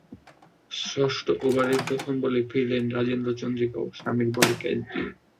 ষষ্ঠ ওভারের প্রথম বলে ফিরলেন রাজেন্দ্র চন্দ্রিকাও, শামির বলে ক্যাচ দিয়ে।